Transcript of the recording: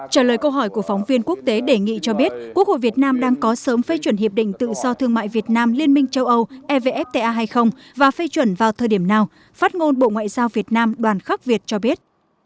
trả lời câu hỏi của phóng viên quốc tế đề nghị cho biết quốc hội việt nam đang có sớm phê chuẩn hiệp định tự do thương mại việt nam liên minh châu âu evfta hay không và phê chuẩn vào thời điểm nào phát ngôn bộ ngoại giao việt nam đoàn khắc việt cho biết